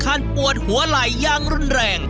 ตัวถึงขั้นปวดหัวไหล่ยังรุนแรง